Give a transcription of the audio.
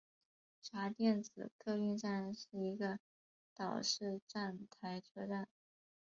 茶店子客运站是一个岛式站台车站。